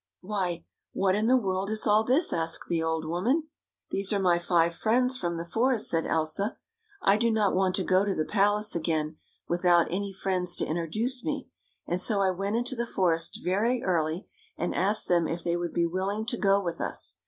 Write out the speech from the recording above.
" Why, what in the world is all this? " asked the old woman. " These are my five friends from the forest," said Elsa. "I do not want to go to the palace again without any friends to introduce me, and so I went into the forest very early, and asked them if they would be willing to go with us.